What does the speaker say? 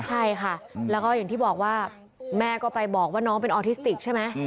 ใช่ค่ะแล้วก็อย่างที่บอกว่าแม่ก็ไปบอกว่าน้องเป็นออทิสติกใช่ไหม